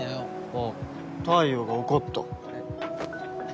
あっ太陽が怒った。